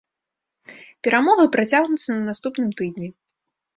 Перамовы працягнуцца на наступным тыдні.